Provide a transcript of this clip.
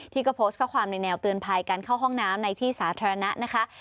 ก็โพสต์ข้อความในแนวเตือนภัยการเข้าห้องน้ำในที่สาธารณะนะคะ